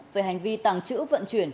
về hành vi tàng trữ vận chuyển